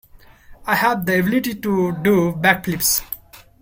I have the ability to do backflips.